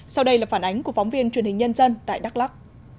sau đây là phản ánh của phóng viên truyền hình nhân dân tại đắk lắc